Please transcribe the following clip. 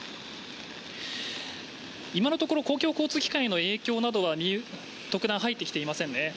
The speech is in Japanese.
今のところ公共交通機関の影響などは特段入ってきていませんね。